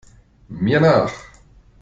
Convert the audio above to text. Mir nach!